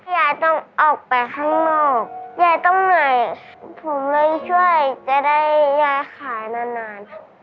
ยายต้องออกไปข้างนอกยายต้องเหนื่อยผมเลยช่วยจะได้ยายขายนานนาน